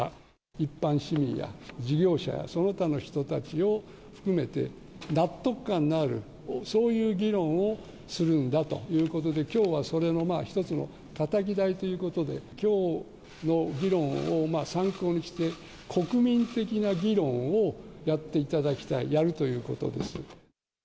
一般市民や、事業者や、その他の人たちを含めて、納得感のある、そういう議論をするんだということで、きょうはそれの一つのたたき台ということで、きょうの議論を参考にして、国民的な議論をやっていただきたい、やるということです。